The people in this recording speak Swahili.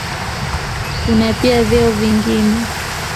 Kuna pia vyeo vingine.